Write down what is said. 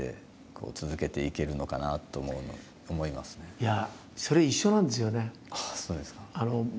いやそれ一緒なんですよね。